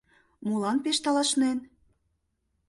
Молан пеш талышнен?